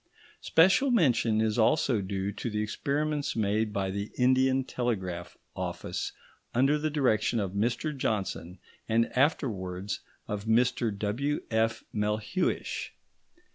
Special mention is also due to the experiments made by the Indian Telegraph Office, under the direction of Mr Johnson and afterwards of Mr W.F. Melhuish.